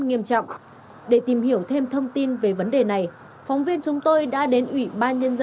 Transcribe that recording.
nghiêm trọng nghiêm trọng nghiêm trọng